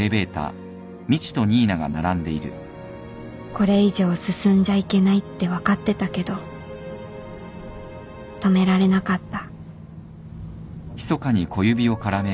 これ以上進んじゃいけないって分かってたけど止められなかった